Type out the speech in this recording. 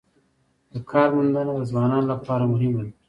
د کار موندنه د ځوانانو لپاره مهمه ده